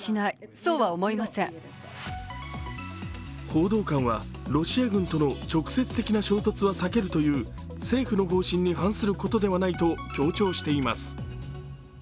報道官は、ロシア軍との直接的な衝突は避けるという政府の方針に反することではないと強調しています。